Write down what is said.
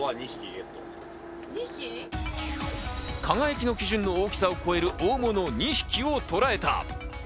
「輝」の基準の大きさを超える大物２匹をとらえた。